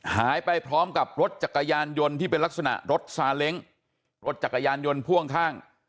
หายไปพร้อมกับรถจักรยานยนต์ที่เป็นลักษณะรถซาเล้งรถจักรยานยนต์พ่วงข้าง